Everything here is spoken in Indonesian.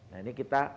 nah ini kita